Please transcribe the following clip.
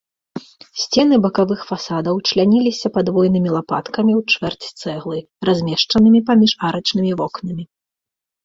Сцены бакавых фасадаў чляніліся падвойнымі лапаткамі у чвэрць цэглы, размешчанымі паміж арачнымі вокнамі.